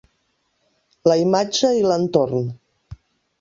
La imatge i l'entorn